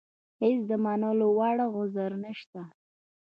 هېڅ د منلو وړ عذر نشته.